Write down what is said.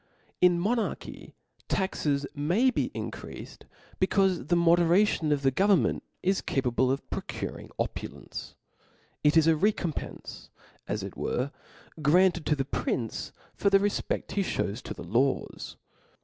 In a monarchy taxes may be increafed, becaufe the moderation of the government is capable of procuring opulence : it is a recompence, as it were,' granted to the prin<e for the refpecl he (hews to the laws.